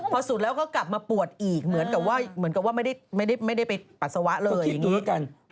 พอสุดแล้วก็กลับมาปวดอีกเหมือนกับว่าไม่ได้ไปปัสสาวะเลยอย่างนี้